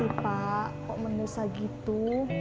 kenapa sih pak kok mendosa gitu